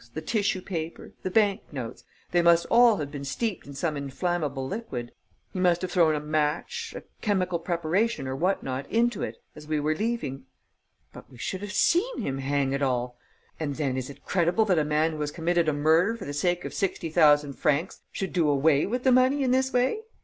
the tissue paper ... the bank notes: they must all have been steeped in some inflammable liquid. He must have thrown a match, a chemical preparation or what not into it, as we were leaving." "But we should have seen him, hang it all! And then is it credible that a man who has committed a murder for the sake of sixty thousand francs should do away with the money in this way?